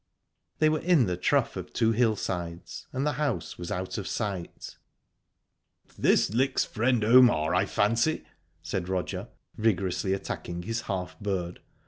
They were in the trough of the two hillsides, and the house was out of sight. "This licks friend Omar, I fancy," said Roger, vigorously attacking his half bird.